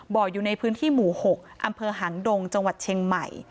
อยู่ในพื้นที่หมู่๖อำเภอหางดงจังหวัดเชียงใหม่